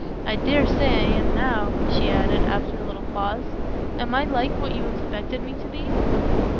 I dare say I am now," she added, after a little pause; "am I like what you expected me to be?"